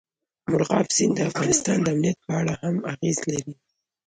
مورغاب سیند د افغانستان د امنیت په اړه هم اغېز لري.